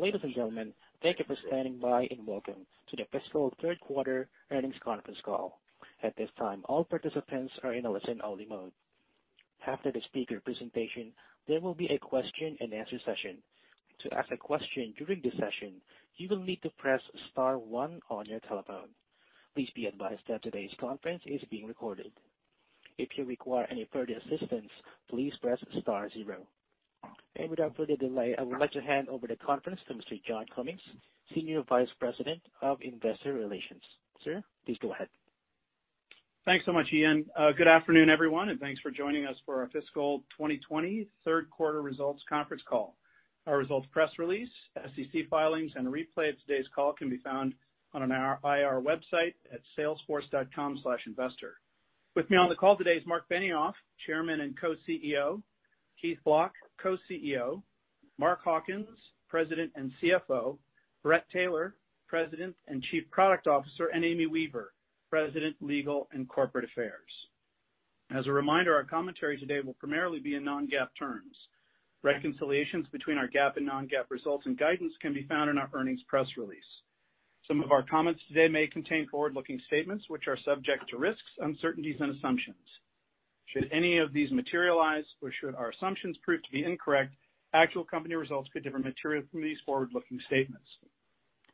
Ladies and gentlemen, thank you for standing by, and welcome to the fiscal third quarter earnings conference call. At this time, all participants are in a listen-only mode. After the speaker presentation, there will be a question and answer session. To ask a question during this session, you will need to press star one on your telephone. Please be advised that today's conference is being recorded. If you require any further assistance, please press star zero. Without further delay, I would like to hand over the conference to Mr. John Cummings, Senior Vice President of Investor Relations. Sir, please go ahead. Thanks so much, Ian. Good afternoon, everyone, and thanks for joining us for our fiscal 2020 third quarter results conference call. Our results, press release, SEC filings, and a replay of today's call can be found on our IR website at salesforce.com/investor. With me on the call today is Marc Benioff, Chairman and Co-CEO, Keith Block, Co-CEO, Mark Hawkins, President and CFO, Bret Taylor, President and Chief Product Officer, and Amy Weaver, President, Legal and Corporate Affairs. As a reminder, our commentary today will primarily be in non-GAAP terms. Reconciliations between our GAAP and non-GAAP results and guidance can be found in our earnings press release. Some of our comments today may contain forward-looking statements which are subject to risks, uncertainties, and assumptions. Should any of these materialize or should our assumptions prove to be incorrect, actual company results could differ materially from these forward-looking statements.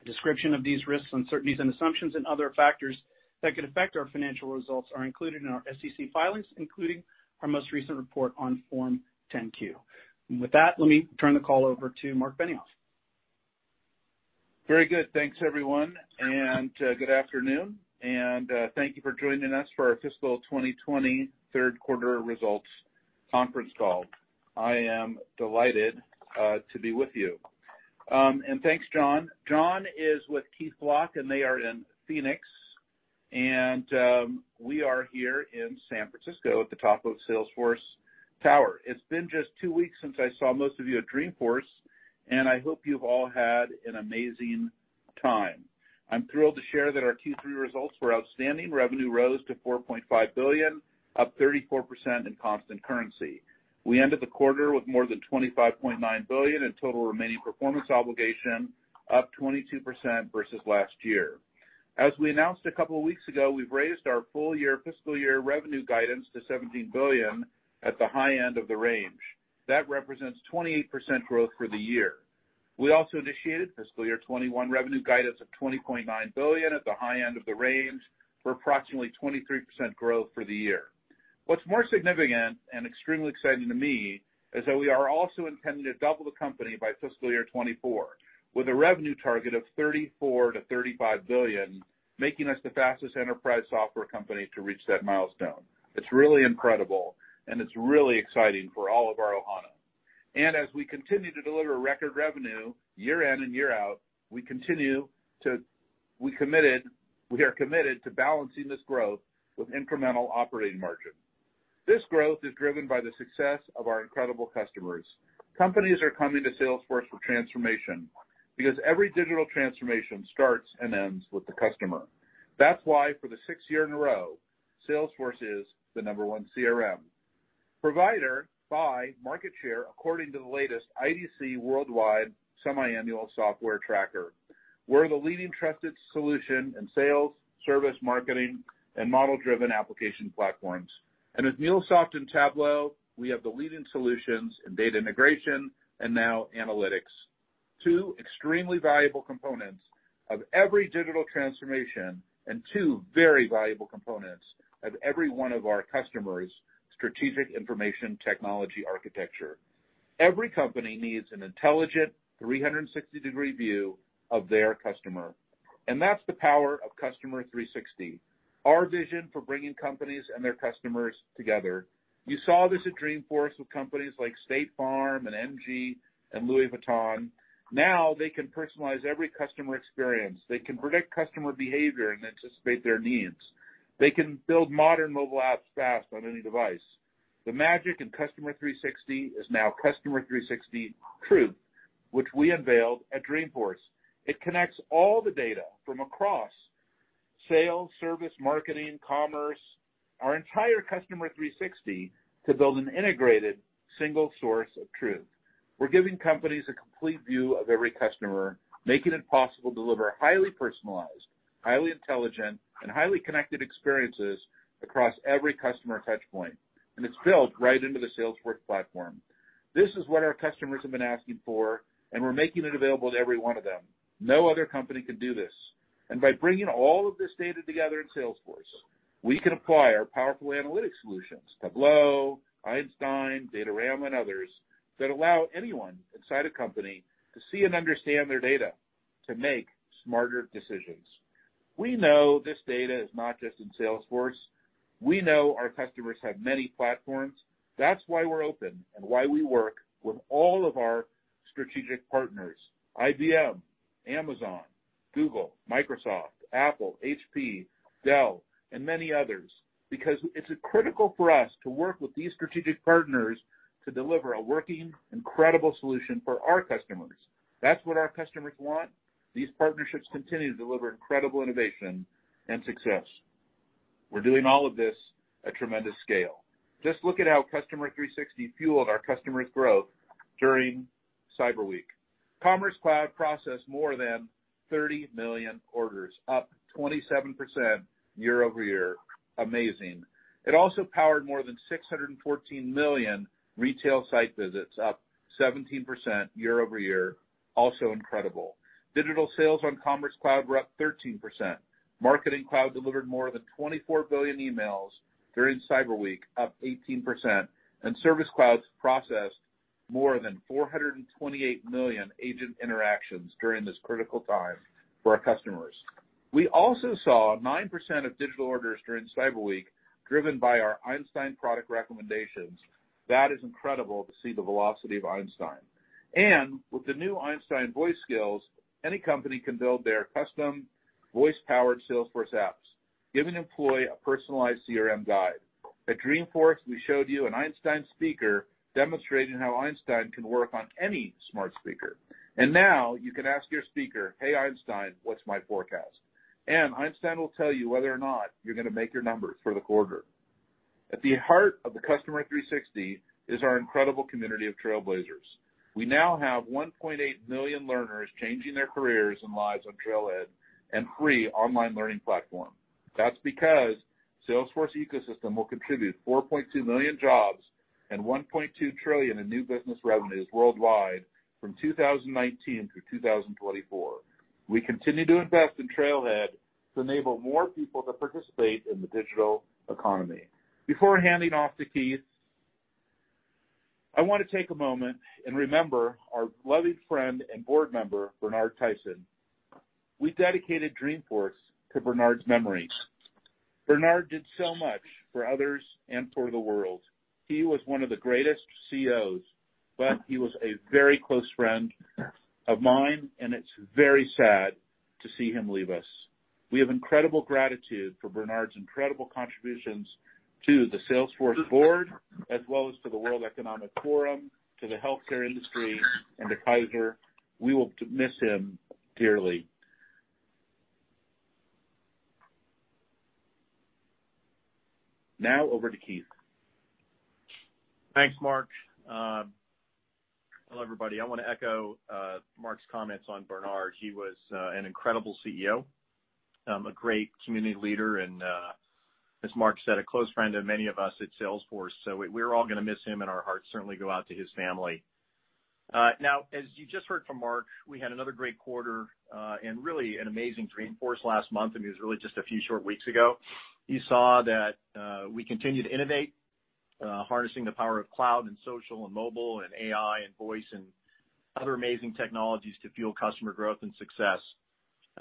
A description of these risks, uncertainties and assumptions and other factors that could affect our financial results are included in our SEC filings, including our most recent report on Form 10-Q. With that, let me turn the call over to Marc Benioff. Very good. Thanks, everyone, good afternoon, and thank you for joining us for our fiscal 2020 third quarter results conference call. I am delighted to be with you. Thanks, John. John is with Keith Block, and they are in Phoenix, and we are here in San Francisco at the top of Salesforce Tower. It's been just two weeks since I saw most of you at Dreamforce, and I hope you've all had an amazing time. I'm thrilled to share that our Q3 results were outstanding. Revenue rose to $4.5 billion, up 34% in constant currency. We ended the quarter with more than $25.9 billion in total remaining performance obligation, up 22% versus last year. As we announced a couple of weeks ago, we've raised our full year fiscal year revenue guidance to $17 billion at the high end of the range. That represents 28% growth for the year. We also initiated fiscal year 2021 revenue guidance of $20.9 billion at the high end of the range for approximately 23% growth for the year. What's more significant and extremely exciting to me is that we are also intending to double the company by fiscal year 2024 with a revenue target of $34 billion-$35 billion, making us the fastest enterprise software company to reach that milestone. It's really incredible, it's really exciting for all of our ohana. As we continue to deliver record revenue year in and year out, we are committed to balancing this growth with incremental operating margin. This growth is driven by the success of our incredible customers. Companies are coming to Salesforce for transformation because every digital transformation starts and ends with the customer. That's why for the sixth year in a row, Salesforce is the number one CRM provider by market share, according to the latest IDC worldwide semiannual software tracker. We're the leading trusted solution in sales, service, marketing, and model-driven application platforms. With MuleSoft and Tableau, we have the leading solutions in data integration and now analytics. Two extremely valuable components of every digital transformation and two very valuable components of every one of our customers' strategic information technology architecture. Every company needs an intelligent 360-degree view of their customer, and that's the power of Customer 360, our vision for bringing companies and their customers together. You saw this at Dreamforce with companies like State Farm and MG and Louis Vuitton. Now they can personalize every customer experience. They can predict customer behavior and anticipate their needs. They can build modern mobile apps fast on any device. The magic in Customer 360 is now Customer 360 Truth, which we unveiled at Dreamforce. It connects all the data from across sales, service, marketing, commerce, our entire Customer 360 to build an integrated single source of truth. We're giving companies a complete view of every customer, making it possible to deliver highly personalized, highly intelligent, and highly connected experiences across every customer touch point, and it's built right into the Salesforce platform. This is what our customers have been asking for, and we're making it available to every one of them. No other company can do this. By bringing all of this data together in Salesforce, we can apply our powerful analytics solutions, Tableau, Einstein, Datorama, and others, that allow anyone inside a company to see and understand their data to make smarter decisions. We know this data is not just in Salesforce. We know our customers have many platforms. That's why we're open and why we work with all of our strategic partners, IBM, Amazon, Google, Microsoft, Apple, HP, Dell, and many others, because it's critical for us to work with these strategic partners to deliver a working incredible solution for our customers. That's what our customers want. These partnerships continue to deliver incredible innovation and success. We're doing all of this at tremendous scale. Just look at how Customer 360 fueled our customers' growth during Cyber Week. Commerce Cloud processed more than 30 million orders, up 27% year-over-year. Amazing. It also powered more than 614 million retail site visits, up 17% year-over-year. Also incredible. Digital sales on Commerce Cloud were up 13%. Marketing Cloud delivered more than 24 billion emails during Cyber Week, up 18%, and Service Cloud processed more than 428 million agent interactions during this critical time for our customers. We also saw 9% of digital orders during Cyber Week driven by our Einstein product recommendations. That is incredible to see the velocity of Einstein. With the new Einstein Voice Skills, any company can build their custom voice-powered Salesforce apps. Give an employee a personalized CRM guide. At Dreamforce, we showed you an Einstein speaker demonstrating how Einstein can work on any smart speaker. Now you can ask your speaker, "Hey, Einstein, what's my forecast?" Einstein will tell you whether or not you're going to make your numbers for the quarter. At the heart of the Customer 360 is our incredible community of trailblazers. We now have 1.8 million learners changing their careers and lives on Trailhead and free online learning platform. That's because Salesforce ecosystem will contribute 4.2 million jobs and $1.2 trillion in new business revenues worldwide from 2019 through 2024. We continue to invest in Trailhead to enable more people to participate in the digital economy. Before handing off to Keith, I want to take a moment and remember our beloved friend and board member, Bernard Tyson. We dedicated Dreamforce to Bernard's memory. Bernard did so much for others and for the world. He was one of the greatest CEOs, but he was a very close friend of mine, and it's very sad to see him leave us. We have incredible gratitude for Bernard's incredible contributions to the Salesforce board, as well as to the World Economic Forum, to the healthcare industry, and to Kaiser. We will miss him dearly. Over to Keith. Thanks, Marc. Hello, everybody. I want to echo Marc's comments on Bernard. He was an incredible CEO, a great community leader, and as Marc said, a close friend of many of us at Salesforce. We're all going to miss him, and our hearts certainly go out to his family. As you just heard from Marc, we had another great quarter, and really an amazing Dreamforce last month, and it was really just a few short weeks ago. You saw that we continue to innovate, harnessing the power of cloud and social and mobile and AI and voice and other amazing technologies to fuel customer growth and success.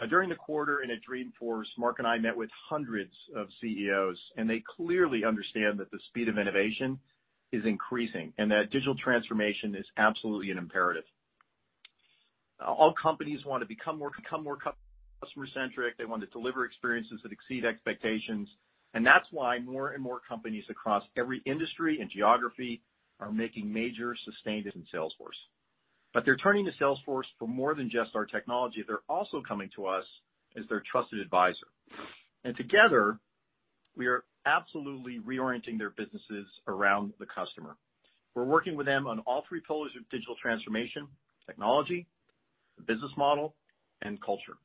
During the quarter and at Dreamforce, Marc and I met with hundreds of CEOs, they clearly understand that the speed of innovation is increasing and that digital transformation is absolutely an imperative. All companies want to become more customer-centric. They want to deliver experiences that exceed expectations. That's why more and more companies across every industry and geography are making major sustained investments in Salesforce. They're turning to Salesforce for more than just our technology. They're also coming to us as their trusted advisor. Together, we are absolutely reorienting their businesses around the customer. We're working with them on all three pillars of digital transformation, technology, business model, and culture.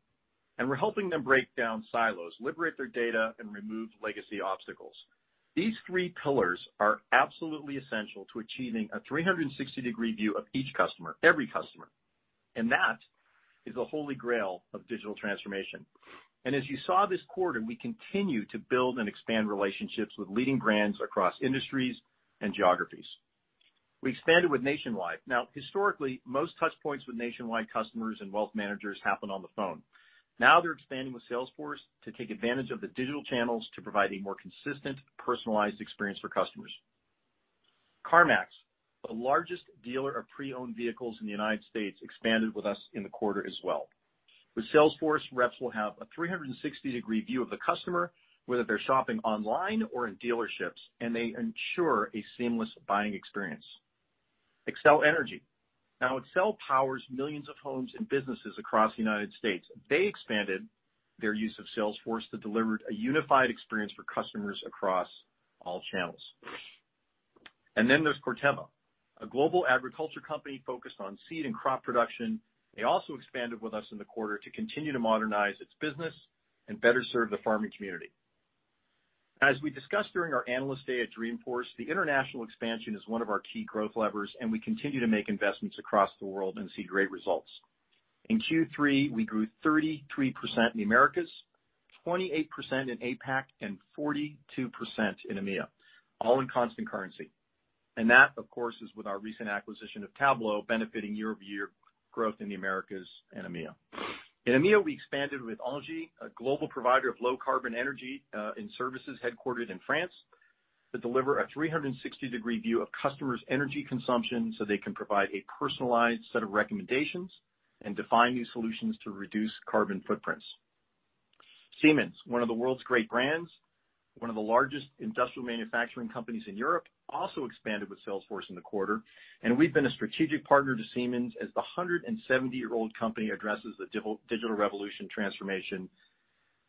We're helping them break down silos, liberate their data, and remove legacy obstacles. These three pillars are absolutely essential to achieving a 360-degree view of each customer, every customer. That is the holy grail of digital transformation. As you saw this quarter, we continue to build and expand relationships with leading brands across industries and geographies. We expanded with Nationwide. Historically, most touch points with Nationwide customers and wealth managers happen on the phone. They're expanding with Salesforce to take advantage of the digital channels to provide a more consistent, personalized experience for customers. CarMax, the largest dealer of pre-owned vehicles in the U.S., expanded with us in the quarter as well. With Salesforce, reps will have a 360-degree view of the customer, whether they're shopping online or in dealerships, and they ensure a seamless buying experience. Xcel Energy. Xcel powers millions of homes and businesses across the U.S. They expanded their use of Salesforce to deliver a unified experience for customers across all channels. There's Corteva, a global agriculture company focused on seed and crop production. They also expanded with us in the quarter to continue to modernize its business and better serve the farming community. As we discussed during our Analyst Day at Dreamforce, the international expansion is one of our key growth levers, and we continue to make investments across the world and see great results. In Q3, we grew 33% in the Americas, 28% in APAC, and 42% in EMEA, all in constant currency. That, of course, is with our recent acquisition of Tableau benefiting year-over-year growth in the Americas and EMEA. In EMEA, we expanded with ENGIE, a global provider of low-carbon energy and services headquartered in France, to deliver a 360-degree view of customers' energy consumption so they can provide a personalized set of recommendations and define new solutions to reduce carbon footprints. Siemens, one of the world's great brands, one of the largest industrial manufacturing companies in Europe, also expanded with Salesforce in the quarter, and we've been a strategic partner to Siemens as the 170-year-old company addresses the digital revolution transformation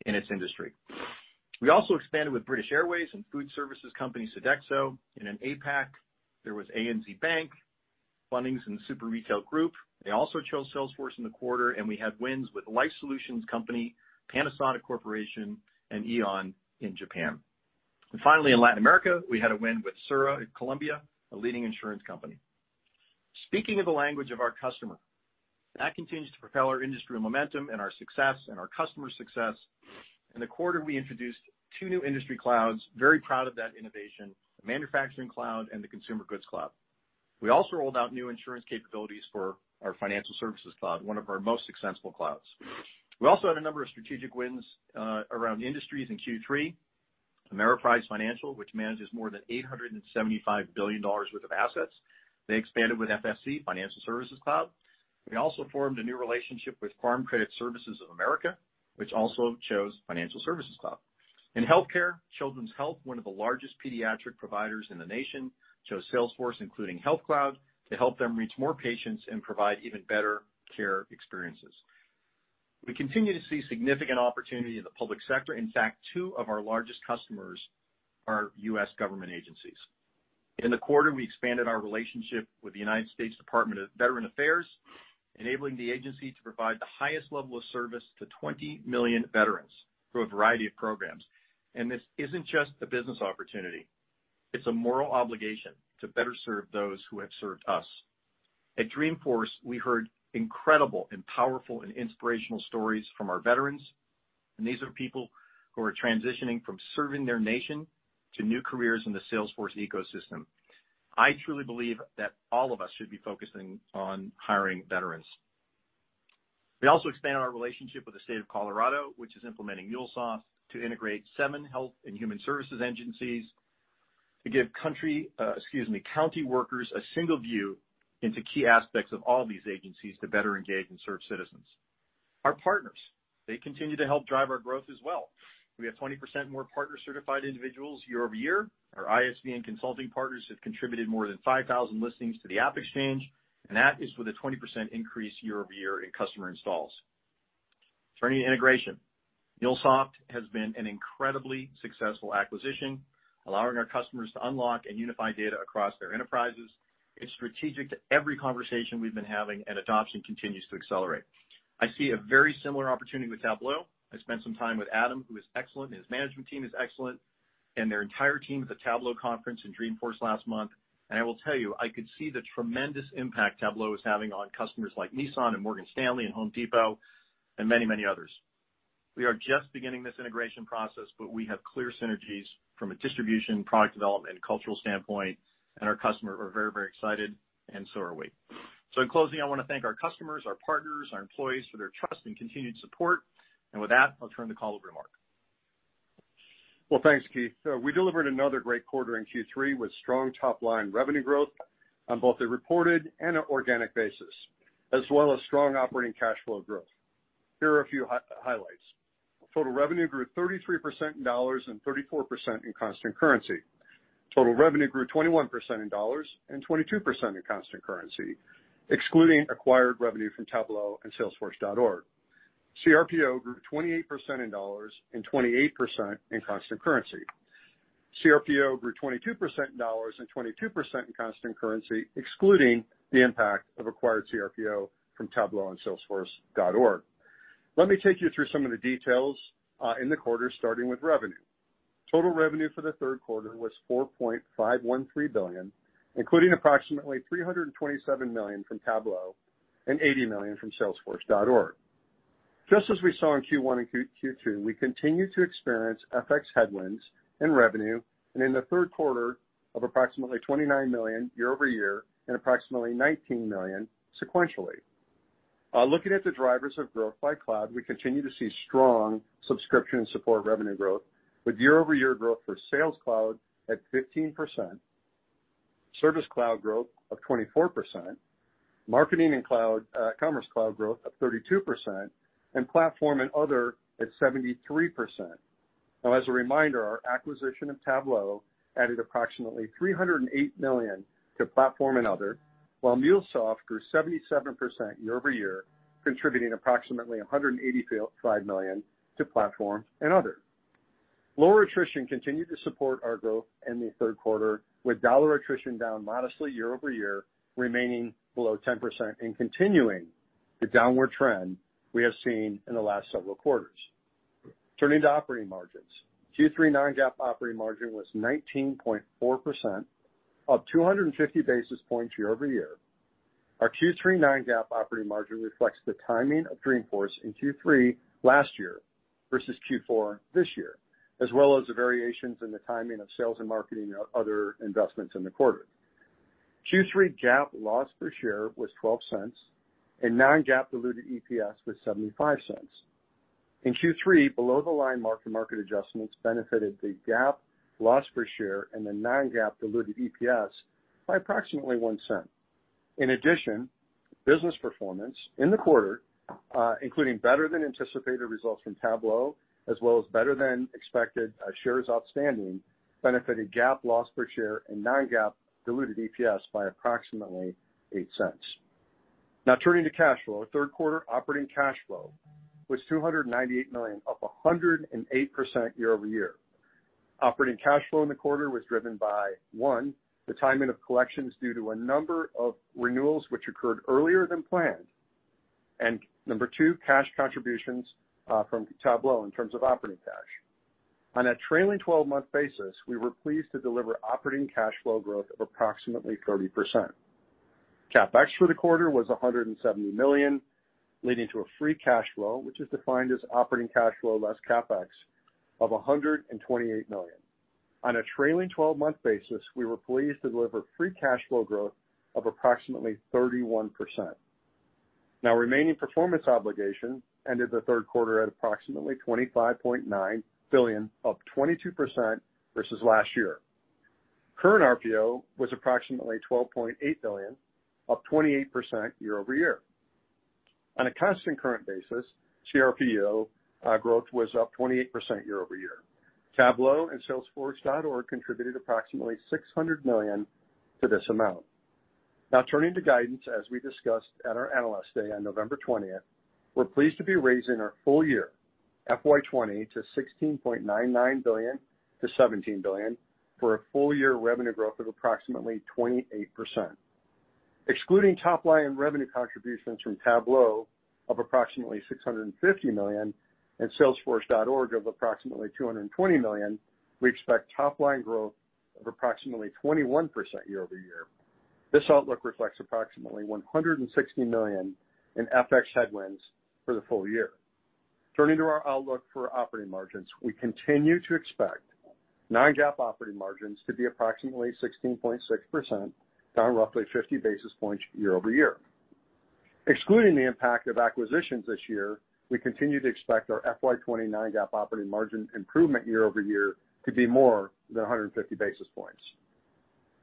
in its industry. We also expanded with British Airways and food services company, Sodexo. In APAC, there was ANZ Bank, Bunnings, and Super Retail Group. They also chose Salesforce in the quarter, and we had wins with life solutions company, Panasonic Corporation, and AEON in Japan. Finally, in Latin America, we had a win with Sura in Colombia, a leading insurance company. Speaking of the language of our customer, that continues to propel our industry momentum and our success and our customers' success. In the quarter, we introduced two new industry clouds, very proud of that innovation, the Manufacturing Cloud and the Consumer Goods Cloud. We also rolled out new insurance capabilities for our Financial Services Cloud, one of our most successful clouds. We also had a number of strategic wins around industries in Q3. Ameriprise Financial, which manages more than $875 billion worth of assets, they expanded with FSC, Financial Services Cloud. We also formed a new relationship with Farm Credit Services of America, which also chose Financial Services Cloud. In healthcare, Children's Health, one of the largest pediatric providers in the nation, chose Salesforce, including Health Cloud, to help them reach more patients and provide even better care experiences. We continue to see significant opportunity in the public sector. In fact, two of our largest customers are U.S. government agencies. In the quarter, we expanded our relationship with the United States Department of Veterans Affairs, enabling the agency to provide the highest level of service to 20 million veterans through a variety of programs. This isn't just a business opportunity. It's a moral obligation to better serve those who have served us. At Dreamforce, we heard incredible and powerful and inspirational stories from our veterans, and these are people who are transitioning from serving their nation to new careers in the Salesforce ecosystem. I truly believe that all of us should be focusing on hiring veterans. We also expanded our relationship with the state of Colorado, which is implementing MuleSoft to integrate 7 health and human services agencies to give county workers a single view into key aspects of all these agencies to better engage and serve citizens. Our partners, they continue to help drive our growth as well. We have 20% more partner-certified individuals year-over-year. Our ISV and consulting partners have contributed more than 5,000 listings to the AppExchange, and that is with a 20% increase year-over-year in customer installs. Turning to integration. MuleSoft has been an incredibly successful acquisition, allowing our customers to unlock and unify data across their enterprises. It's strategic to every conversation we've been having, and adoption continues to accelerate. I see a very similar opportunity with Tableau. I spent some time with Adam, who is excellent, and his management team is excellent, and their entire team at the Tableau conference in Dreamforce last month. I will tell you, I could see the tremendous impact Tableau is having on customers like Nissan and Morgan Stanley and The Home Depot, and many others. We are just beginning this integration process, but we have clear synergies from a distribution, product development, and cultural standpoint, and our customers are very excited, and so are we. In closing, I want to thank our customers, our partners, our employees, for their trust and continued support. With that, I'll turn the call over to Marc. Well, thanks, Keith. We delivered another great quarter in Q3 with strong top-line revenue growth on both a reported and an organic basis, as well as strong operating cash flow growth. Here are a few highlights. Total revenue grew 33% in dollars and 34% in constant currency. Total revenue grew 21% in dollars and 22% in constant currency, excluding acquired revenue from Tableau and salesforce.org. CRPO grew 28% in dollars and 28% in constant currency. CRPO grew 22% in dollars and 22% in constant currency, excluding the impact of acquired CRPO from Tableau and salesforce.org. Let me take you through some of the details in the quarter, starting with revenue. Total revenue for the third quarter was $4.513 billion, including approximately $327 million from Tableau and $80 million from salesforce.org. Just as we saw in Q1 and Q2, we continued to experience FX headwinds in revenue and in the third quarter of approximately $29 million year-over-year and approximately $19 million sequentially. Looking at the drivers of growth by cloud, we continue to see strong subscription and support revenue growth with year-over-year growth for Sales Cloud at 15%, Service Cloud growth of 24%, Marketing and Commerce Cloud growth of 32%, and Platform and Other at 73%. As a reminder, our acquisition of Tableau added approximately $308 million to Platform and Other, while MuleSoft grew 77% year-over-year, contributing approximately $185 million to Platform and Other. Lower attrition continued to support our growth in the third quarter, with dollar attrition down modestly year-over-year, remaining below 10% and continuing the downward trend we have seen in the last several quarters. Turning to operating margins. Q3 non-GAAP operating margin was 19.4%, up 250 basis points year-over-year. Our Q3 non-GAAP operating margin reflects the timing of Dreamforce in Q3 last year versus Q4 this year, as well as the variations in the timing of sales and marketing, our other investments in the quarter. Q3 GAAP loss per share was $0.12 and non-GAAP diluted EPS was $0.75. In Q3, below-the-line mark-to-market adjustments benefited the GAAP loss per share and the non-GAAP diluted EPS by approximately $0.01. In addition, business performance in the quarter, including better than anticipated results from Tableau as well as better-than-expected shares outstanding, benefited GAAP loss per share and non-GAAP diluted EPS by approximately $0.08. Now turning to cash flow. Third quarter operating cash flow was $298 million, up 108% year-over-year. Operating cash flow in the quarter was driven by, one, the timing of collections due to a number of renewals which occurred earlier than planned. Number two, cash contributions from Tableau in terms of operating cash. On a trailing 12-month basis, we were pleased to deliver operating cash flow growth of approximately 30%. CapEx for the quarter was $170 million, leading to a free cash flow, which is defined as operating cash flow less CapEx, of $128 million. On a trailing 12-month basis, we were pleased to deliver free cash flow growth of approximately 31%. Remaining performance obligations ended the third quarter at approximately $25.9 billion, up 22% versus last year. Current RPO was approximately $12.8 billion, up 28% year-over-year. On a constant current basis, CRPO growth was up 28% year-over-year. Tableau and salesforce.org contributed approximately $600 million to this amount. Now turning to guidance, as we discussed at our Analyst Day on November 20th, we're pleased to be raising our full year FY 2020 to $16.99 billion-$17 billion for a full-year revenue growth of approximately 28%. Excluding top line revenue contributions from Tableau of approximately $650 million and salesforce.org of approximately $220 million, we expect top-line growth of approximately 21% year over year. This outlook reflects approximately $160 million in FX headwinds for the full year. Turning to our outlook for operating margins. We continue to expect non-GAAP operating margins to be approximately 16.6%, down roughly 50 basis points year over year. Excluding the impact of acquisitions this year, we continue to expect our FY 2020 non-GAAP operating margin improvement year over year to be more than 150 basis points.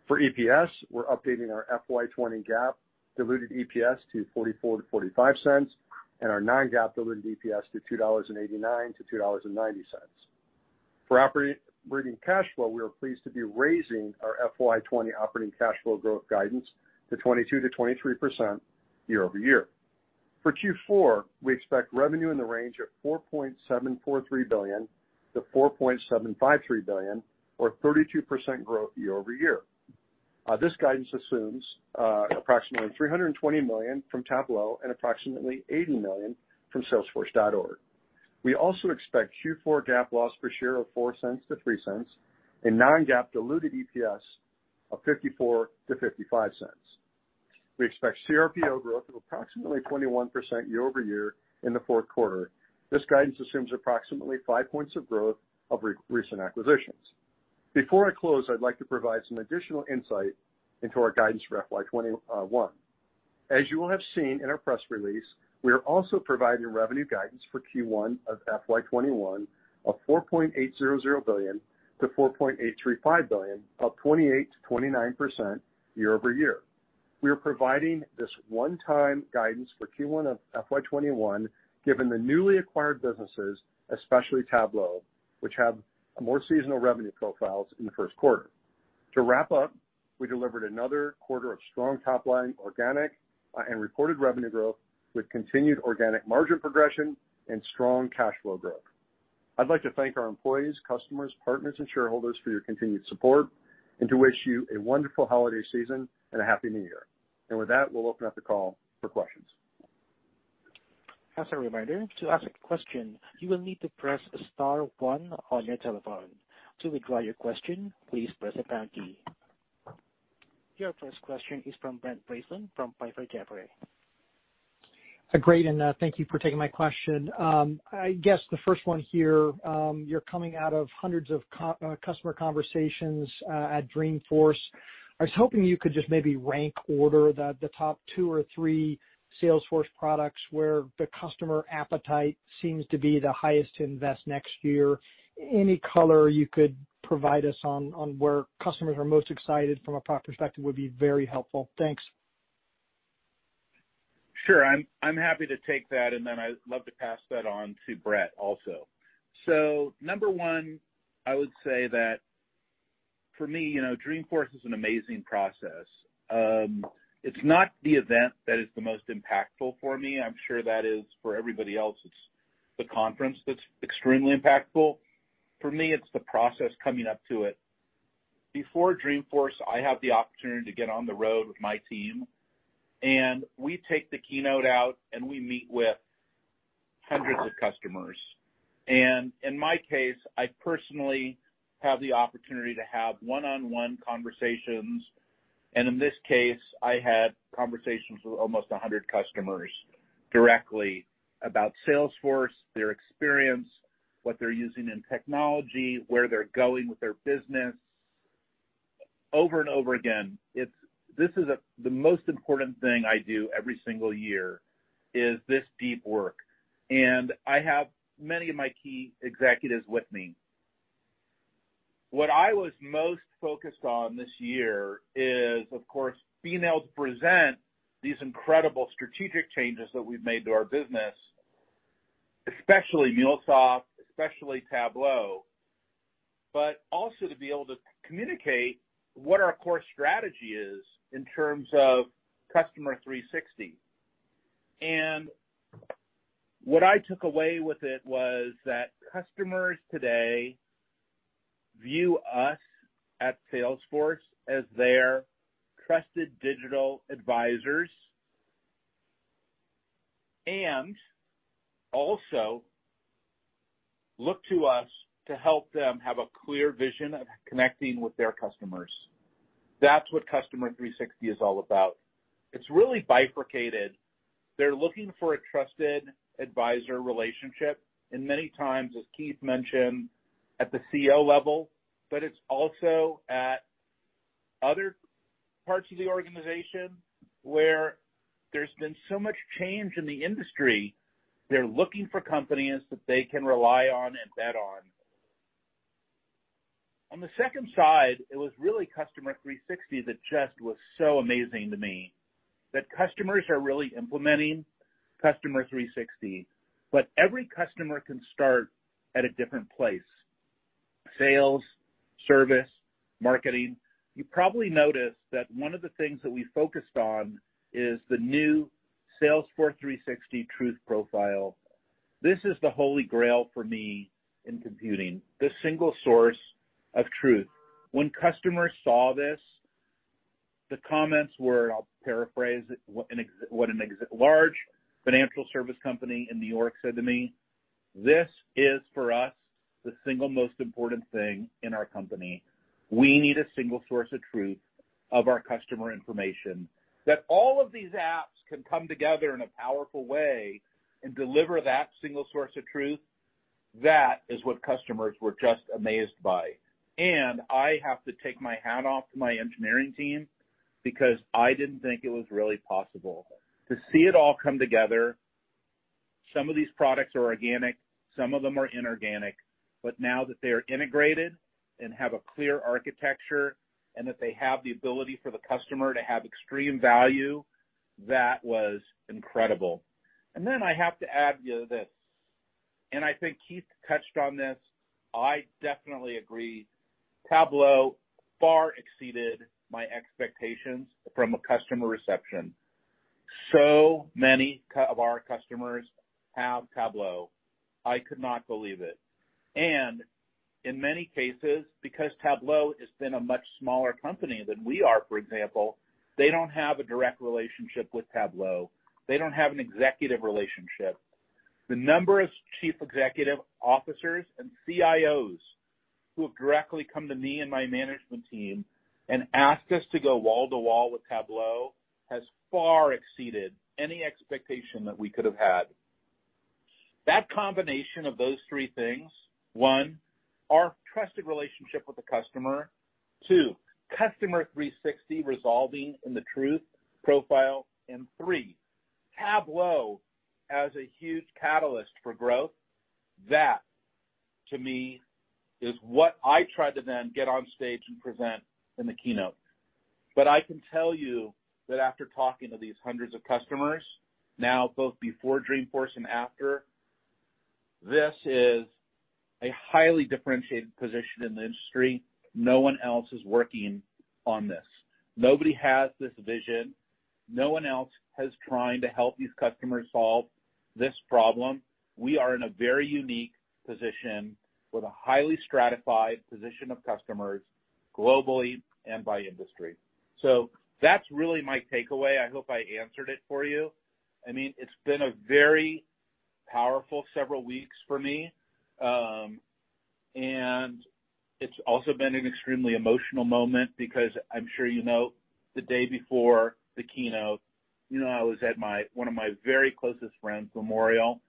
For EPS, we're updating our FY 2020 GAAP diluted EPS to $0.44-$0.45 and our non-GAAP diluted EPS to $2.89-$2.90. For operating cash flow, we are pleased to be raising our FY 2020 operating cash flow growth guidance to 22%-23% year-over-year. For Q4, we expect revenue in the range of $4.743 billion-$4.753 billion or 32% growth year-over-year. This guidance assumes approximately $320 million from Tableau and approximately $80 million from salesforce.org. We also expect Q4 GAAP loss per share of $0.04-$0.03 and non-GAAP diluted EPS of $0.54-$0.55. We expect CRPO growth of approximately 21% year-over-year in the fourth quarter. This guidance assumes approximately five points of growth of recent acquisitions. Before I close, I'd like to provide some additional insight into our guidance for FY 2021. As you will have seen in our press release, we are also providing revenue guidance for Q1 of FY 2021 of $4.800 billion to $4.835 billion, up 28%-29% year-over-year. We are providing this one-time guidance for Q1 of FY 2021 given the newly acquired businesses, especially Tableau, which have more seasonal revenue profiles in the first quarter. To wrap up, we delivered another quarter of strong top-line organic and reported revenue growth with continued organic margin progression and strong cash flow growth. I'd like to thank our employees, customers, partners, and shareholders for your continued support and to wish you a wonderful holiday season and a Happy New Year. With that, we'll open up the call for questions. As a reminder, to ask a question, you will need to press star one on your telephone. To withdraw your question, please press the pound key. Your first question is from Brent Bracelin from Piper Jaffray. Great. Thank you for taking my question. I guess the first one here, you're coming out of hundreds of customer conversations at Dreamforce. I was hoping you could just maybe rank order the top 2 or 3 Salesforce products where the customer appetite seems to be the highest to invest next year. Any color you could provide us on where customers are most excited from a product perspective would be very helpful. Thanks. Sure. I'm happy to take that. I'd love to pass that on to Bret also. Number 1, I would say that for me, Dreamforce is an amazing process. It's not the event that is the most impactful for me. I'm sure that is for everybody else. It's the conference that's extremely impactful. For me, it's the process coming up to it. Before Dreamforce, I have the opportunity to get on the road with my team, we take the keynote out, we meet with hundreds of customers. In my case, I personally have the opportunity to have one-on-one conversations. In this case, I had conversations with almost 100 customers directly about Salesforce, their experience, what they're using in technology, where they're going with their business. Over and over again, the most important thing I do every single year is this deep work. I have many of my key executives with me. What I was most focused on this year is, of course, females present these incredible strategic changes that we've made to our business. Especially MuleSoft, especially Tableau, also to be able to communicate what our core strategy is in terms of Customer 360. What I took away with it was that customers today view us at Salesforce as their trusted digital advisors, also look to us to help them have a clear vision of connecting with their customers. That's what Customer 360 is all about. It's really bifurcated. They're looking for a trusted advisor relationship, many times, as Keith mentioned, at the CO level, but it's also at other parts of the organization where there's been so much change in the industry, they're looking for companies that they can rely on and bet on. On the second side, it was really Customer 360 that just was so amazing to me, that customers are really implementing Customer 360, but every customer can start at a different place. Sales, service, marketing. You probably noticed that one of the things that we focused on is the new Salesforce 360 Truth Profile. This is the Holy Grail for me in computing, the single source of truth. When customers saw this, the comments were, and I'll paraphrase it, what a large financial service company in New York said to me, "This is, for us, the single most important thing in our company. We need a single source of truth of our customer information." All of these apps can come together in a powerful way and deliver that single source of truth, that is what customers were just amazed by. I have to take my hat off to my engineering team because I didn't think it was really possible. To see it all come together, some of these products are organic, some of them are inorganic, but now that they are integrated and have a clear architecture and that they have the ability for the customer to have extreme value, that was incredible. I have to add you this, and I think Keith touched on this. I definitely agree. Tableau far exceeded my expectations from a customer reception. Many of our customers have Tableau. I could not believe it. In many cases, because Tableau has been a much smaller company than we are, for example, they don't have a direct relationship with Tableau. They don't have an executive relationship. The number of chief executive officers and CIOs who have directly come to me and my management team and asked us to go wall to wall with Tableau has far exceeded any expectation that we could have had. That combination of those three things, one, our trusted relationship with the customer. Two, Customer 360 resolving in the truth profile. Three, Tableau as a huge catalyst for growth. That, to me, is what I tried to then get on stage and present in the keynote. I can tell you that after talking to these hundreds of customers, now both before Dreamforce and after, this is a highly differentiated position in the industry. No one else is working on this. Nobody has this vision. No one else has trying to help these customers solve this problem. We are in a very unique position with a highly stratified position of customers globally and by industry. That's really my takeaway. I hope I answered it for you. It's been a very powerful several weeks for me, and it's also been an extremely emotional moment because I'm sure you know, the day before the keynote, I was at one of my very closest friend's memorial.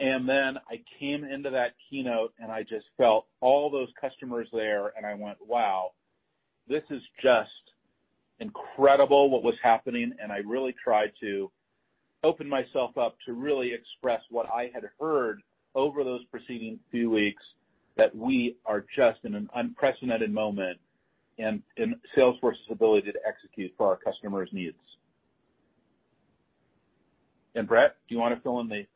I came into that keynote, and I just felt all those customers there, and I went, "Wow, this is just incredible what was happening." I really tried to open myself up to really express what I had heard over those preceding few weeks, that we are just in an unprecedented moment in Salesforce's ability to execute for our customers' needs. Bret, do you want to fill in the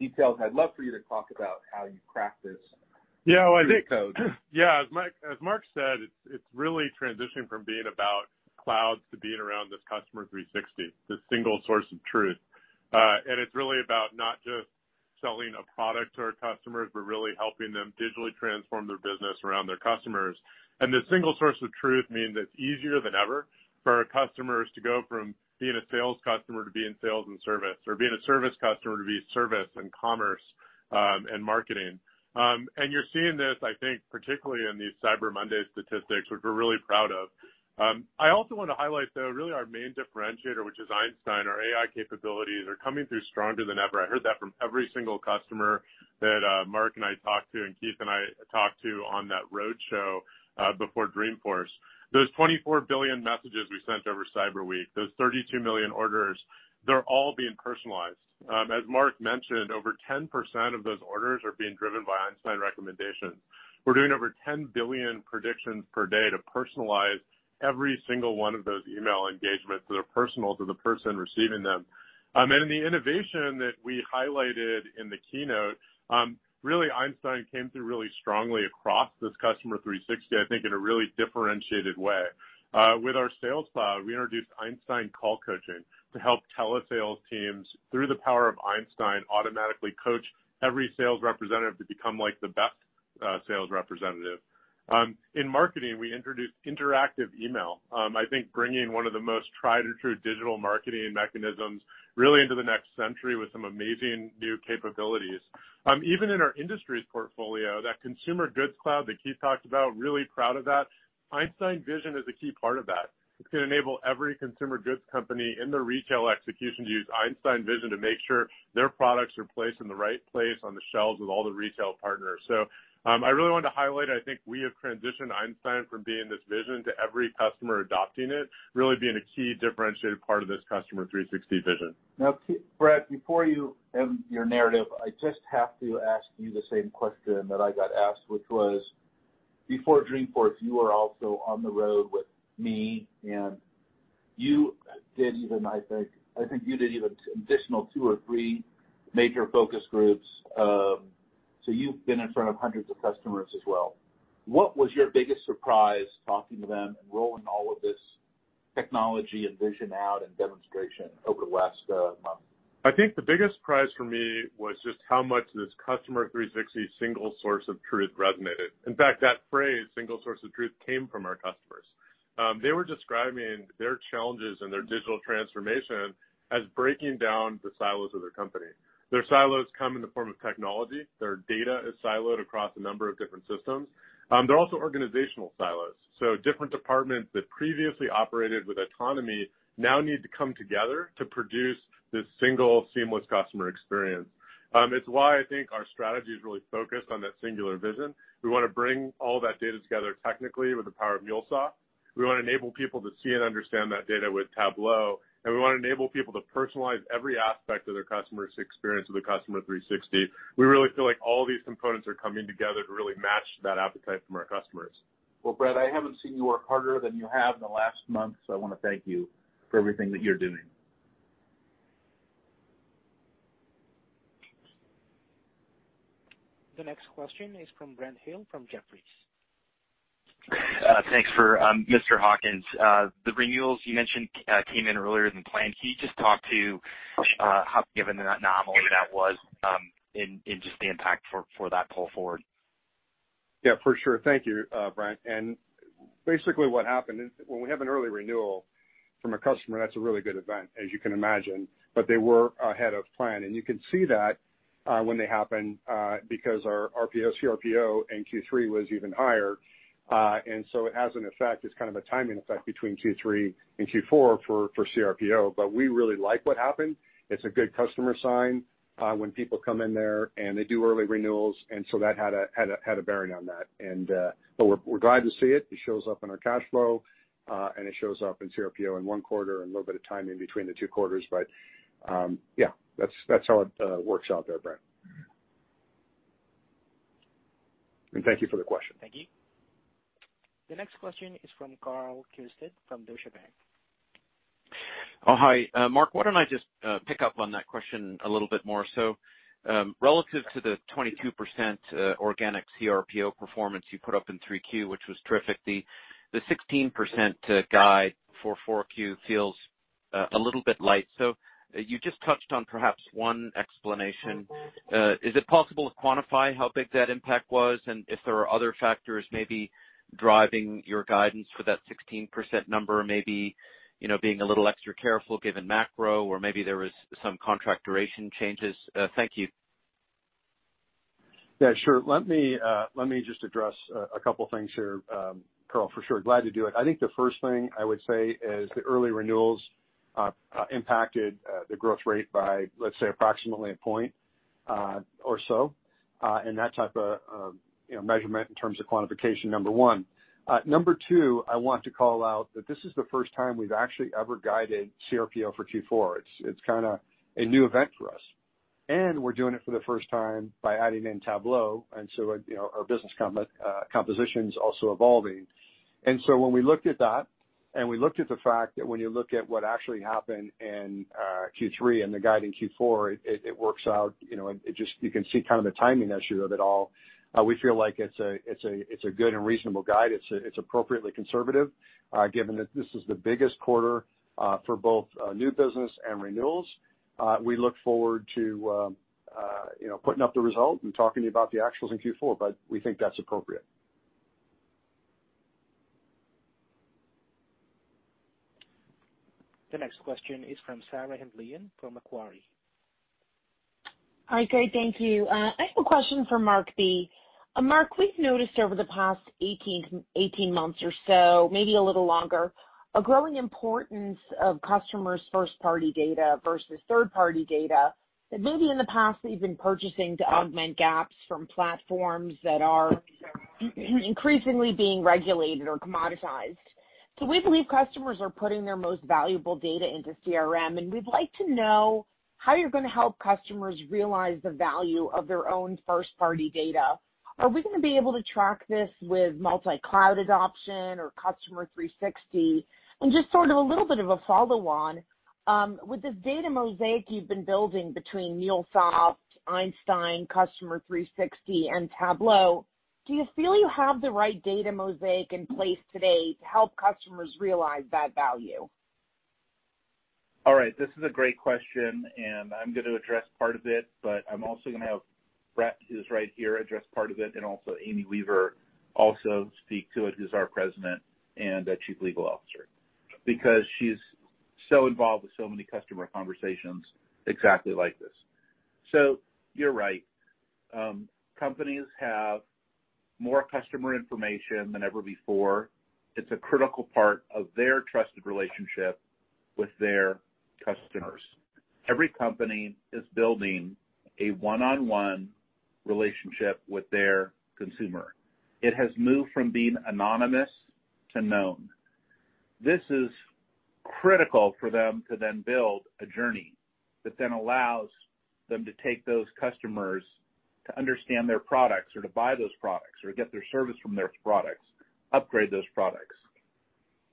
details? I'd love for you to talk about how you cracked this. Yeah. Well. code. Yeah. As Mark said, it's really transitioning from being about clouds to being around this Customer 360, the single source of truth. It's really about not just selling a product to our customers, but really helping them digitally transform their business around their customers. The single source of truth means it's easier than ever for our customers to go from being a sales customer to being sales and service, or being a service customer to be service and commerce, and marketing. You're seeing this, I think, particularly in these Cyber Monday statistics, which we're really proud of. I also want to highlight, though, really our main differentiator, which is Einstein. Our AI capabilities are coming through stronger than ever. I heard that from every single customer that Mark and I talked to and Keith and I talked to on that roadshow before Dreamforce. Those 24 billion messages we sent over Cyber Week, those 32 million orders, they're all being personalized. As Mark mentioned, over 10% of those orders are being driven by Einstein recommendation. We're doing over 10 billion predictions per day to personalize every single one of those email engagements, so they're personal to the person receiving them. In the innovation that we highlighted in the keynote, really, Einstein came through really strongly across this Customer 360, I think, in a really differentiated way. With our Sales Cloud, we introduced Einstein Call Coaching to help telesales teams, through the power of Einstein, automatically coach every sales representative to become the best sales representative. In marketing, we introduced interactive email. I think bringing one of the most tried and true digital marketing mechanisms really into the next century with some amazing new capabilities. Even in our industries portfolio, that Consumer Goods Cloud that Keith talked about, really proud of that. Einstein Vision is a key part of that. It's going to enable every consumer goods company in their retail execution to use Einstein Vision to make sure their products are placed in the right place on the shelves with all the retail partners. I really wanted to highlight, I think we have transitioned Einstein from being this vision to every customer adopting it, really being a key differentiator part of this Customer 360 vision. Bret, before you end your narrative, I just have to ask you the same question that I got asked, which was, before Dreamforce, you were also on the road with me, and I think you did even an additional two or three major focus groups. You've been in front of hundreds of customers as well. What was your biggest surprise talking to them and rolling all of this technology and vision out and demonstration over the last month? I think the biggest surprise for me was just how much this Customer 360 single source of truth resonated. In fact, that phrase, single source of truth, came from our customers. They were describing their challenges and their digital transformation as breaking down the silos of their company. Their silos come in the form of technology. Their data is siloed across a number of different systems. They're also organizational silos. Different departments that previously operated with autonomy now need to come together to produce this single seamless customer experience. It's why I think our strategy is really focused on that singular vision. We want to bring all that data together technically with the power of MuleSoft. We want to enable people to see and understand that data with Tableau, and we want to enable people to personalize every aspect of their customer's experience with the Customer 360. We really feel like all these components are coming together to really match that appetite from our customers. Well, Bret, I haven't seen you work harder than you have in the last month, so I want to thank you for everything that you're doing. The next question is from Brent Thill, from Jefferies. Thanks for Mr. Hawkins. The renewals you mentioned came in earlier than planned. Can you just talk to how given an anomaly that was, and just the impact for that pull forward? Yeah, for sure. Thank you, Brent. Basically what happened is, when we have an early renewal from a customer, that's a really good event, as you can imagine. They were ahead of plan, and you can see that when they happen, because our RPO, CRPO in Q3 was even higher. It has an effect, it's kind of a timing effect between Q3 and Q4 for CRPO, but we really like what happened. It's a good customer sign, when people come in there, and they do early renewals. That had a bearing on that. We're glad to see it. It shows up in our cash flow, and it shows up in CRPO in one quarter and a little bit of timing between the two quarters, but, yeah. That's how it works out there, Brent. Thank you for the question. Thank you. The next question is from Karl Keirstead from Deutsche Bank. Oh, hi. Mark, why don't I just pick up on that question a little bit more? Relative to the 22% organic CRPO performance you put up in 3Q, which was terrific, the 16% guide for 4Q feels a little bit light. You just touched on perhaps one explanation. Is it possible to quantify how big that impact was and if there are other factors maybe driving your guidance for that 16% number, maybe being a little extra careful given macro or maybe there was some contract duration changes? Thank you. Yeah, sure. Let me just address a couple things here, Karl, for sure. Glad to do it. I think the first thing I would say is the early renewals impacted the growth rate by, let's say, approximately a point or so, and that type of measurement in terms of quantification, number one. Number two, I want to call out that this is the first time we've actually ever guided CRPO for Q4. It's kind of a new event for us. We're doing it for the first time by adding in Tableau, and so, our business composition's also evolving. When we looked at that and we looked at the fact that when you look at what actually happened in Q3 and the guide in Q4, it works out. You can see kind of the timing issue of it all. We feel like it's a good and reasonable guide. It's appropriately conservative, given that this is the biggest quarter for both new business and renewals. We look forward to putting up the result and talking to you about the actuals in Q4, but we think that's appropriate. The next question is from Sarah Hindlian from Macquarie. Hi, great. Thank you. I have a question for Marc B. Marc, we've noticed over the past 18 months or so, maybe a little longer, a growing importance of customers' first-party data versus third-party data that maybe in the past they've been purchasing to augment gaps from platforms that are increasingly being regulated or commoditized. We believe customers are putting their most valuable data into CRM, and we'd like to know how you're going to help customers realize the value of their own first-party data. Are we going to be able to track this with multi-cloud adoption or Customer 360? Just sort of a little bit of a follow-on, with this data mosaic you've been building between MuleSoft, Einstein, Customer 360, and Tableau, do you feel you have the right data mosaic in place today to help customers realize that value? All right. This is a great question, and I'm going to address part of it, but I'm also going to have Bret, who's right here, address part of it, and also Amy Weaver also speak to it, who's our President and Chief Legal Officer because she's so involved with so many customer conversations exactly like this. You're right. Companies have more customer information than ever before. It's a critical part of their trusted relationship with their customers. Every company is building a one-on-one relationship with their consumer. It has moved from being anonymous to known. This is critical for them to then build a journey that then allows them to take those customers to understand their products or to buy those products or get their service from those products, upgrade those products.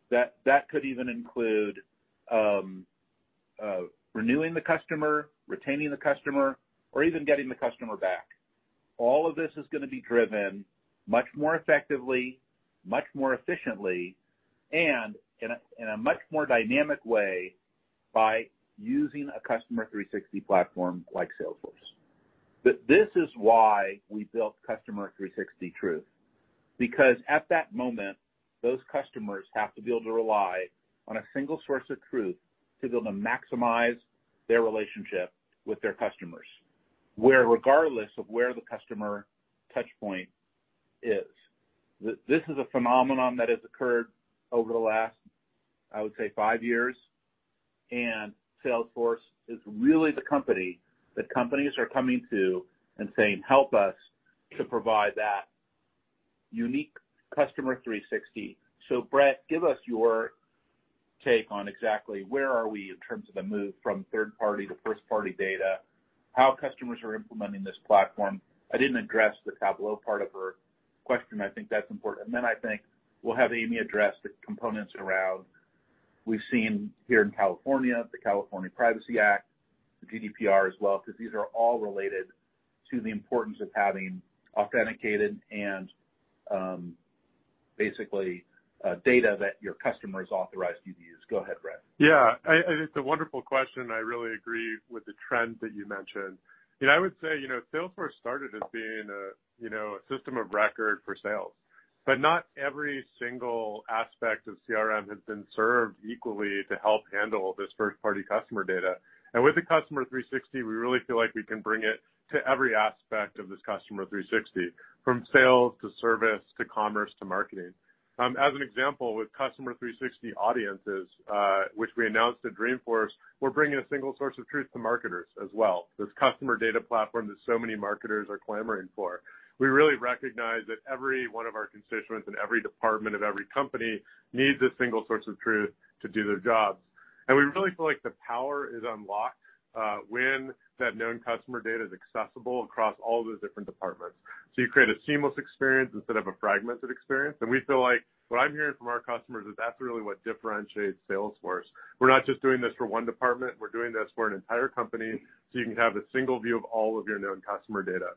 That could even include renewing the customer, retaining the customer, or even getting the customer back. All of this is going to be driven much more effectively, much more efficiently, and in a much more dynamic way by using a Customer 360 platform like Salesforce. This is why we built Customer 360 Truth. At that moment, those customers have to be able to rely on a single source of truth to be able to maximize their relationship with their customers, where regardless of where the customer touchpoint is. This is a phenomenon that has occurred over the last, I would say, five years, and Salesforce is really the company that companies are coming to and saying, "Help us to provide that unique Customer 360." Bret, give us your take on exactly where are we in terms of the move from third-party to first-party data, how customers are implementing this platform. I didn't address the Tableau part of her question. I think that's important. I think we'll have Amy address the components around, we've seen here in California, the California Privacy Act, the GDPR as well, because these are all related to the importance of having authenticated and basically data that your customers authorized you to use. Go ahead, Bret. Yeah. I think it's a wonderful question. I really agree with the trend that you mentioned. I would say, Salesforce started as being a system of record for CRM, but not every single aspect of CRM has been served equally to help handle this first-party customer data. With the Customer 360, we really feel like we can bring it to every aspect of this Customer 360, from sales to service, to commerce, to marketing. As an example, with Customer 360 Audiences, which we announced at Dreamforce, we're bringing a single source of truth to marketers as well. This customer data platform that so many marketers are clamoring for. We really recognize that every one of our constituents in every department of every company needs a single source of truth to do their jobs. We really feel like the power is unlocked when that known customer data is accessible across all of the different departments. You create a seamless experience instead of a fragmented experience. We feel like what I'm hearing from our customers is that's really what differentiates Salesforce. We're not just doing this for one department, we're doing this for an entire company so you can have a single view of all of your known customer data.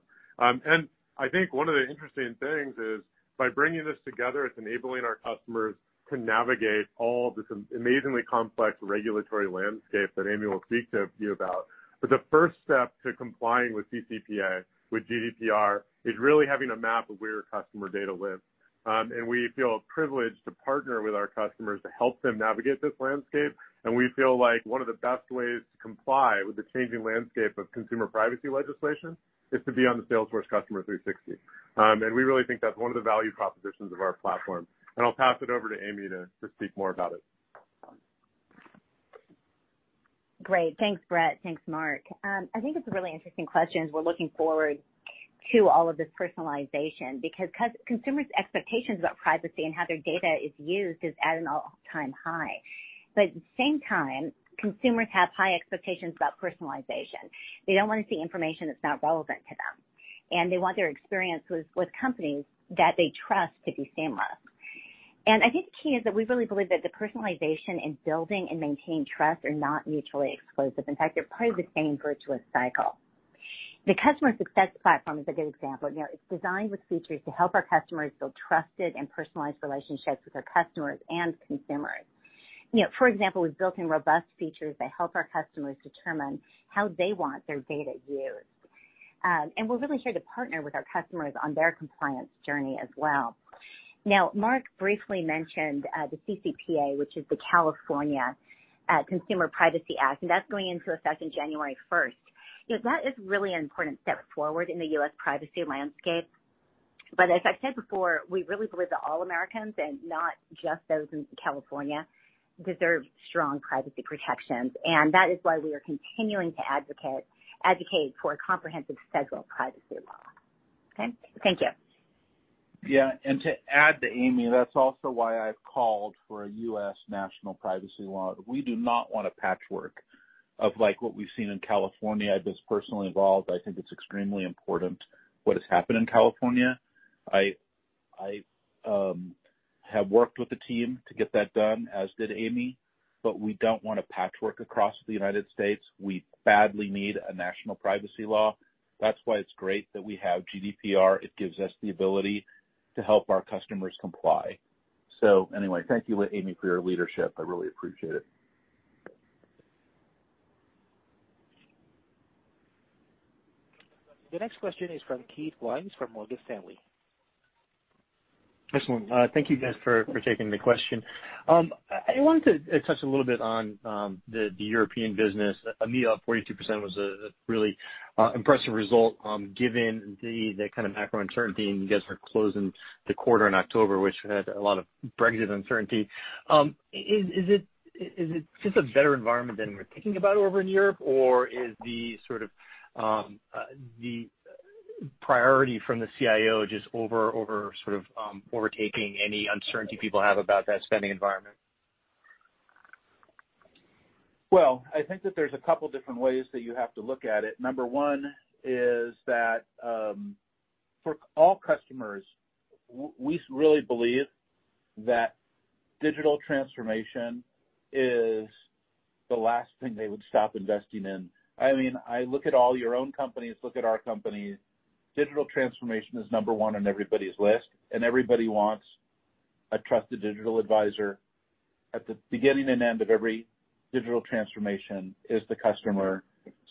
I think one of the interesting things is by bringing this together, it's enabling our customers to navigate all this amazingly complex regulatory landscape that Amy will speak to you about. The first step to complying with CCPA, with GDPR, is really having a map of where your customer data lives. We feel privileged to partner with our customers to help them navigate this landscape. We feel like one of the best ways to comply with the changing landscape of consumer privacy legislation is to be on the Salesforce Customer 360. We really think that's one of the value propositions of our platform. I'll pass it over to Amy to speak more about it. Great. Thanks, Bret. Thanks, Mark. I think it's a really interesting question as we're looking forward to all of this personalization, because consumers' expectations about privacy and how their data is used is at an all-time high. At the same time, consumers have high expectations about personalization. They don't want to see information that's not relevant to them, and they want their experience with companies that they trust to be seamless. I think the key is that we really believe that the personalization in building and maintaining trust are not mutually exclusive. In fact, they're part of the same virtuous cycle. The customer success platform is a good example. It's designed with features to help our customers build trusted and personalized relationships with their customers and consumers. For example, we've built in robust features that help our customers determine how they want their data used. We're really here to partner with our customers on their compliance journey as well. Now, Mark briefly mentioned the CCPA, which is the California Consumer Privacy Act, and that's going into effect in January 1st. That is really an important step forward in the U.S. privacy landscape. As I've said before, we really believe that all Americans, and not just those in California, deserve strong privacy protections, and that is why we are continuing to advocate for a comprehensive federal privacy law. Okay. Thank you. To add to Amy, that's also why I've called for a U.S. national privacy law. We do not want a patchwork of what we've seen in California. I've been personally involved. I think it's extremely important what has happened in California. I have worked with the team to get that done, as did Amy. We don't want a patchwork across the U.S. We badly need a national privacy law. That's why it's great that we have GDPR. It gives us the ability to help our customers comply. Anyway, thank you, Amy, for your leadership. I really appreciate it. The next question is from Keith Weiss from Morgan Stanley. Excellent. Thank you guys for taking the question. I wanted to touch a little bit on the European business. EMEA up 42% was a really impressive result given the kind of macro uncertainty, and you guys are closing the quarter in October, which had a lot of Brexit uncertainty. Is it just a better environment than we're thinking about over in Europe? Or is the priority from the CIO just overtaking any uncertainty people have about that spending environment? Well, I think that there's a couple different ways that you have to look at it. Number one is that, for all customers, we really believe that digital transformation is the last thing they would stop investing in. I look at all your own companies, look at our companies, digital transformation is number one on everybody's list, and everybody wants a trusted digital advisor. At the beginning and end of every digital transformation is the customer.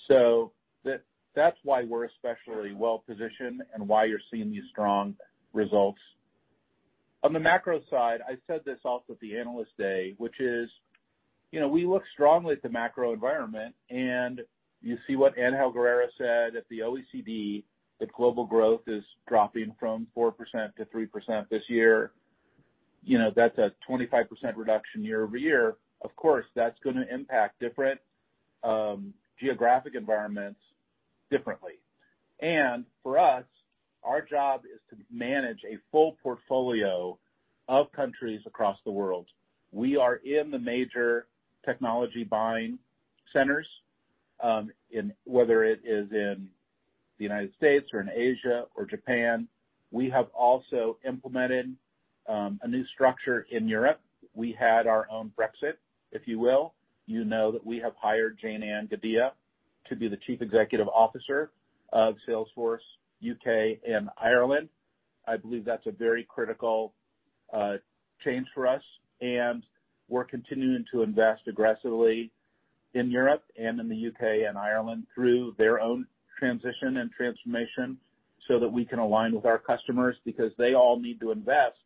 That's why we're especially well-positioned and why you're seeing these strong results. On the macro side, I said this also at the Analyst Day, which is we look strongly at the macro environment, and you see what Ángel Gurría said at the OECD, that global growth is dropping from 4% to 3% this year. That's a 25% reduction year-over-year. That's going to impact different geographic environments differently. For us, our job is to manage a full portfolio of countries across the world. We are in the major technology buying centers, whether it is in the U.S. or in Asia or Japan. We have also implemented a new structure in Europe. We had our own Brexit, if you will. You know that we have hired Jayne-Anne Gadhia to be the chief executive officer of Salesforce UK and Ireland. I believe that's a very critical change for us, and we're continuing to invest aggressively in Europe and in the UK and Ireland through their own transition and transformation so that we can align with our customers because they all need to invest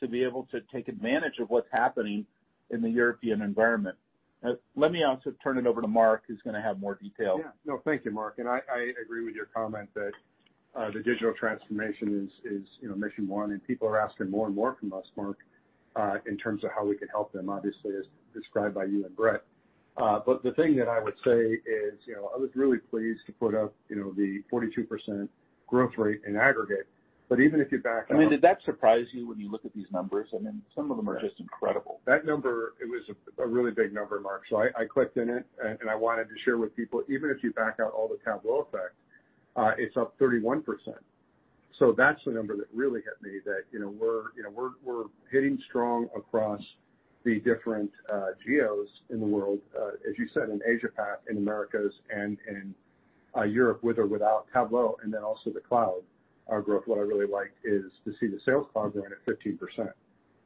to be able to take advantage of what's happening in the European environment. Let me also turn it over to Mark, who's going to have more detail. Yeah. No, thank you, Marc. I agree with your comment that the digital transformation is mission one, and people are asking more and more from us, Marc, in terms of how we can help them, obviously, as described by you and Bret. The thing that I would say is, I was really pleased to put up the 42% growth rate in aggregate. Did that surprise you when you look at these numbers? Some of them are just incredible. That number, it was a really big number, Mark. I clicked in it, and I wanted to share with people, even if you back out all the Tableau effects, it's up 31%. That's the number that really hit me, that we're hitting strong across the different geos in the world, as you said, in Asia-Pac, in Americas, and Europe, with or without Tableau, and then also the cloud. Our growth, what I really liked is to see the Sales Cloud growing at 15%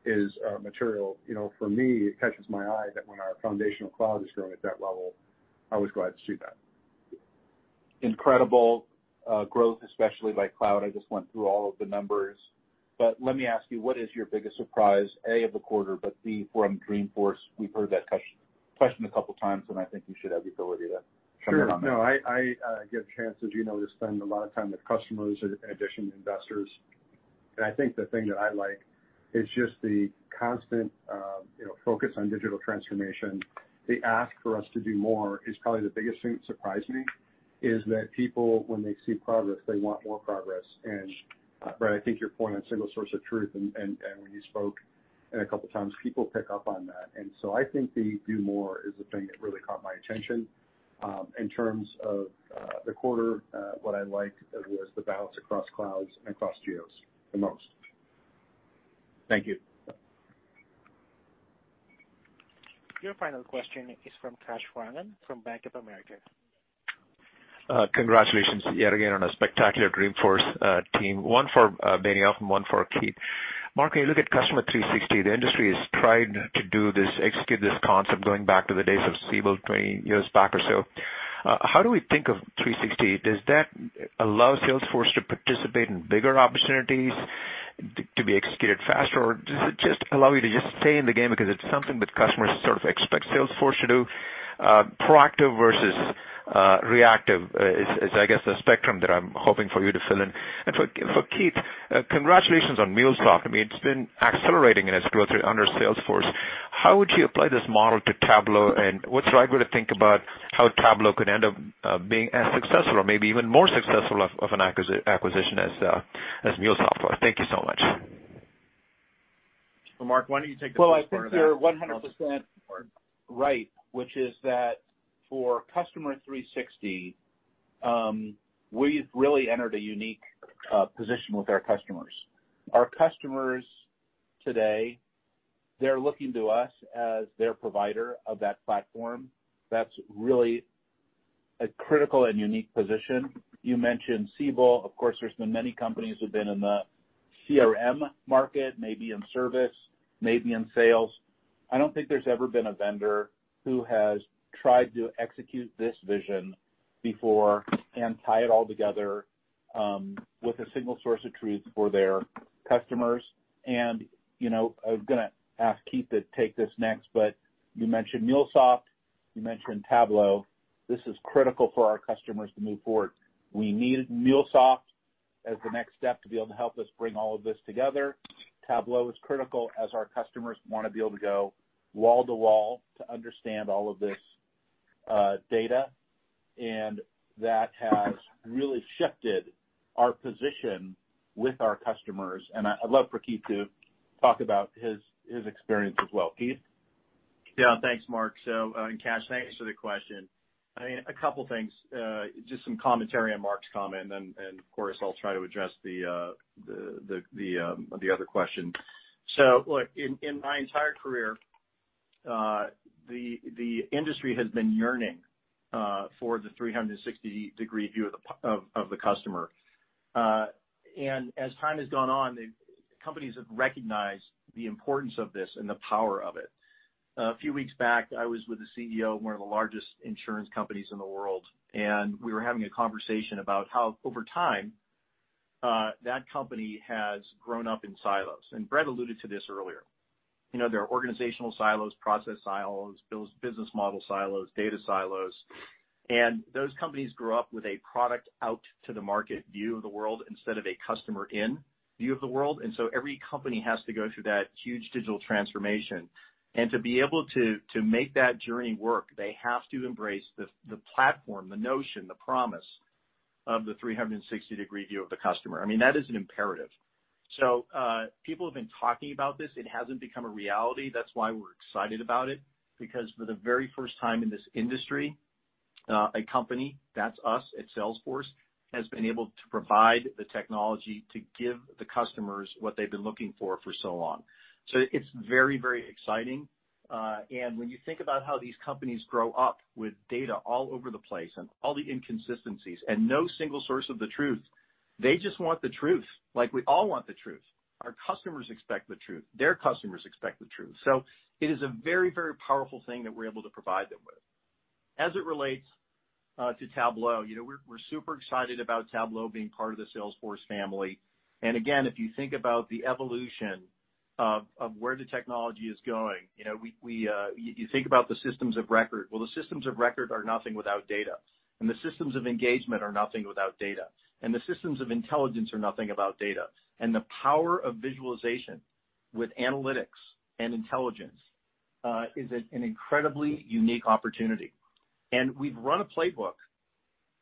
is material. For me, it catches my eye that when our foundational cloud is growing at that level, I was glad to see that. Incredible growth, especially by cloud. I just went through all of the numbers. Let me ask you, what is your biggest surprise, A, of the quarter, but B, from Dreamforce? We've heard that question a couple times, and I think you should have the ability to comment on that. Sure. No, I get a chance, as you know, to spend a lot of time with customers in addition to investors. I think the thing that I like is just the constant focus on digital transformation. The ask for us to do more is probably the biggest thing that surprised me, is that people, when they see progress, they want more progress. Bret, I think your point on single source of truth and when you spoke, and a couple times, people pick up on that. I think the do more is the thing that really caught my attention. In terms of the quarter, what I liked was the balance across clouds and across geos the most. Thank you. Your final question is from Kash Rangan from Bank of America. Congratulations yet again on a spectacular Dreamforce, team. One for Benioff and one for Keith. Mark, when you look at Customer 360, the industry has tried to do this, execute this concept going back to the days of Siebel 20 years back or so. How do we think of 360? Does that allow Salesforce to participate in bigger opportunities to be executed faster, or does it just allow you to just stay in the game because it's something that customers sort of expect Salesforce to do? Proactive versus reactive is, I guess, the spectrum that I'm hoping for you to fill in. For Keith, congratulations on MuleSoft. It's been accelerating in its growth under Salesforce. How would you apply this model to Tableau? What's the right way to think about how Tableau could end up being as successful or maybe even more successful of an acquisition as MuleSoft was? Thank you so much. Mark, why don't you take this first part of that? Well, I think you're 100% right, which is that for Customer 360, we've really entered a unique position with our customers. Our customers today, they're looking to us as their provider of that platform. That's really a critical and unique position. You mentioned Siebel. Of course, there's been many companies who've been in the CRM market, maybe in service, maybe in sales. I don't think there's ever been a vendor who has tried to execute this vision before and tie it all together, with a single source of truth for their customers. I was going to ask Keith to take this next, but you mentioned MuleSoft, you mentioned Tableau. This is critical for our customers to move forward. We needed MuleSoft as the next step to be able to help us bring all of this together. Tableau is critical as our customers want to be able to go wall to wall to understand all of this data, and that has really shifted our position with our customers. I'd love for Keith to talk about his experience as well. Keith? Yeah. Thanks, Mark. Kash, thanks for the question. I mean, a couple things, just some commentary on Mark's comment and of course, I'll try to address the other question. Look, in my entire career, the industry has been yearning for the 360 degree view of the customer. As time has gone on, companies have recognized the importance of this and the power of it. A few weeks back, I was with the CEO of one of the largest insurance companies in the world, and we were having a conversation about how over time, that company has grown up in silos, and Bret alluded to this earlier. There are organizational silos, process silos, business model silos, data silos, and those companies grew up with a product-out-to-the-market view of the world instead of a customer-in view of the world. Every company has to go through that huge digital transformation. To be able to make that journey work, they have to embrace the platform, the notion, the promise of the 360 degree view of the customer. I mean, that is an imperative. People have been talking about this. It hasn't become a reality. That's why we're excited about it, because for the very first time in this industry, a company, that's us at Salesforce, has been able to provide the technology to give the customers what they've been looking for so long. It's very exciting. When you think about how these companies grow up with data all over the place and all the inconsistencies and no single source of the truth, they just want the truth, like we all want the truth. Our customers expect the truth. Their customers expect the truth. It is a very powerful thing that we're able to provide them with. As it relates to Tableau, we're super excited about Tableau being part of the Salesforce family. Again, if you think about the evolution of where the technology is going, you think about the systems of record. Well, the systems of record are nothing without data, and the systems of engagement are nothing without data, and the systems of intelligence are nothing without data. The power of visualization with analytics and intelligence is an incredibly unique opportunity. We've run a playbook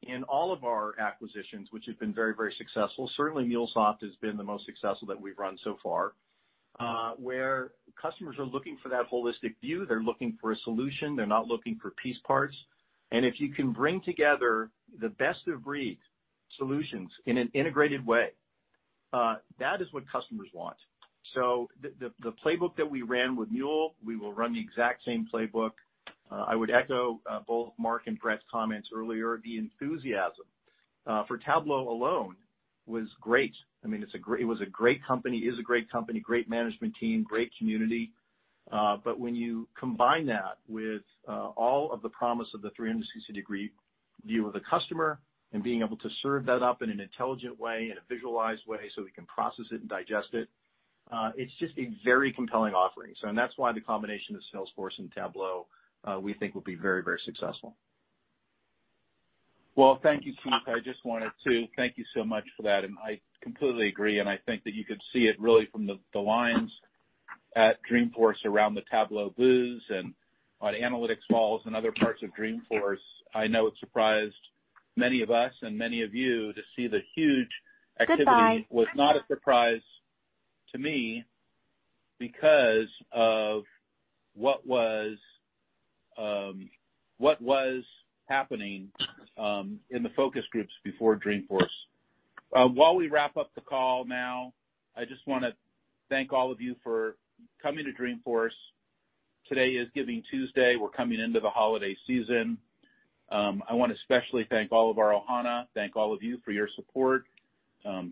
in all of our acquisitions, which have been very successful. Certainly, MuleSoft has been the most successful that we've run so far, where customers are looking for that holistic view. They're looking for a solution. They're not looking for piece parts. If you can bring together the best-of-breed solutions in an integrated way, that is what customers want. The playbook that we ran with Mule, we will run the exact same playbook. I would echo both Mark and Bret's comments earlier. The enthusiasm for Tableau alone was great. I mean, it was a great company, is a great company, great management team, great community. When you combine that with all of the promise of the 360 degree view of the customer and being able to serve that up in an intelligent way, in a visualized way, so we can process it and digest it's just a very compelling offering. That's why the combination of Salesforce and Tableau, we think will be very successful. Well, thank you, Keith. I just wanted to thank you so much for that, and I completely agree, and I think that you could see it really from the lines at Dreamforce around the Tableau booths and on analytics walls and other parts of Dreamforce. I know it surprised many of us and many of you to see the huge activity. Goodbye was not a surprise to me because of what was happening in the focus groups before Dreamforce. While we wrap up the call now, I just want to thank all of you for coming to Dreamforce. Today is Giving Tuesday. We're coming into the holiday season. I want to especially thank all of our Ohana, thank all of you for your support.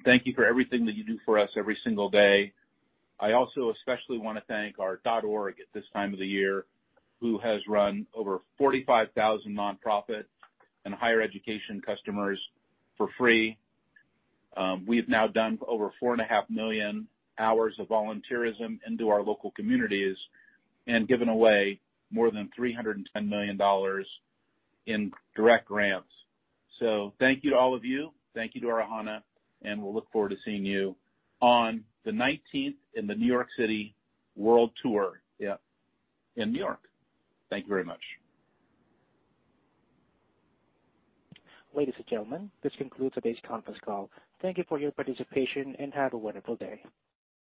Thank you for everything that you do for us every single day. I also especially want to thank our .Org at this time of the year, who has run over 45,000 nonprofit and higher education customers for free. We've now done over four and a half million hours of volunteerism into our local communities and given away more than $310 million in direct grants. Thank you to all of you. Thank you to our Ohana, and we'll look forward to seeing you on the 19th in the New York City World Tour. Yep. In New York. Thank you very much. Ladies and gentlemen, this concludes today's conference call. Thank you for your participation, have a wonderful day.